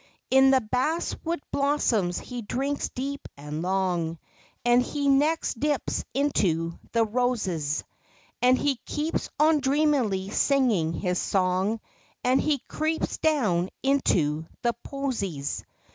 In the bass wood blossoms he drinks deep and long, And he next dips into the roses; And he keeps on dreamily singing his song As he creeps down into the posies.